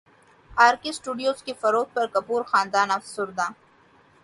ار K studios کی فروخت پر کپور خاندان افسردہ